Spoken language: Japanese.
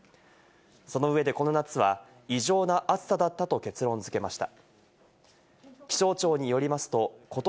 その上でこの夏は異常な暑さだったと結論づけました。